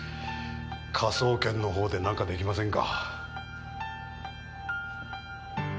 科捜研のほうでなんかできませんか？